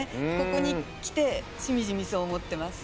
ここに来てしみじみそう思ってます。